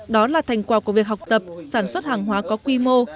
đó là thành quả của việc học tập sản xuất hàng hóa có quy mô